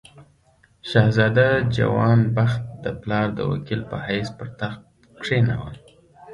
شهزاده جوان بخت د پلار د وکیل په حیث پر تخت کښېناوه.